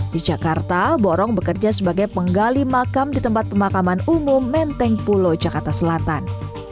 di jakarta borong bekerja sebagai penggali makam di tempat pemakaman umum menteng pulo jakarta selatan